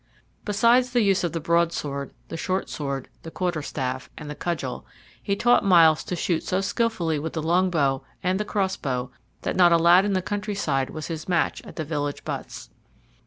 Besides the use of the broadsword, the short sword, the quarter staff, and the cudgel, he taught Myles to shoot so skilfully with the long bow and the cross bow that not a lad in the country side was his match at the village butts.